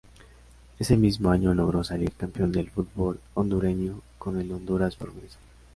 Ese mismo año logró salir campeón del fútbol hondureño con el Honduras Progreso.